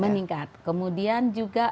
meningkat kemudian juga